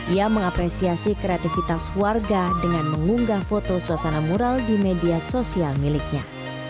ia mengapresiasi kreativitas warga dengan mengunggah foto suasana mural di media sosial miliknya